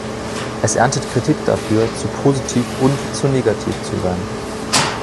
Es erntet Kritik dafür, „zu positiv“ und „zu negativ“ zu sein.